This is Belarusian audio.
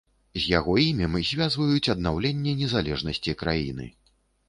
З яго імем звязваюць аднаўленне незалежнасці краіны.